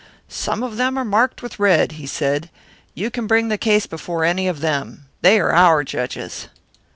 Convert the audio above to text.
'Some of them are marked with red,' he said; 'you can bring the case before any of them. They are our judges.'